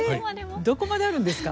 どこまであるんですか。